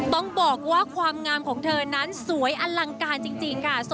ต้องบอกว่าความงามของเธอนั้นสวยอลังการจริงค่ะ